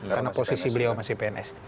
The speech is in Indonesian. karena posisi beliau masih pns